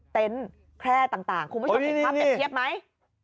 แคร่ต่างคุณผู้ชมเห็นภาพเปรียบเทียบไหม